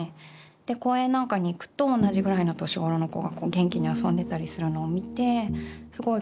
で公園なんかに行くと同じぐらいの年頃の子がこう元気に遊んでたりするのを見てすごい